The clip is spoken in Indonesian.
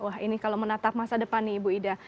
wah ini kalau menatap masa depan nih ibu ida